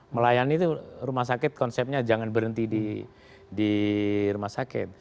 melayani itu rumah sakit konsepnya jangan berhenti di rumah sakit